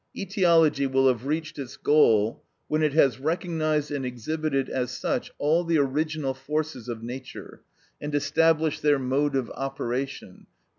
Etiology will have reached its goal when it has recognised and exhibited as such all the original forces of nature, and established their mode of operation, _i.